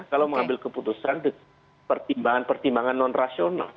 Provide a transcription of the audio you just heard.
kalau mengambil keputusan pertimbangan non rasional